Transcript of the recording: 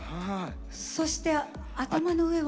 そして頭の上は？